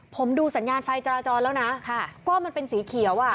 ผมดูสัญญาณไฟจราจรแล้วนะก็มันเป็นสีเขียวอ่ะ